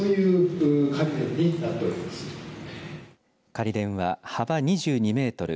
仮殿は幅２２メートル